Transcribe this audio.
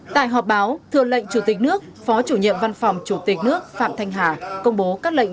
tại họp báo thượng lệnh chủ tịch nước phó chủ nhiệm văn phòng chủ tịch nước phạm thanh hà công bố các lệnh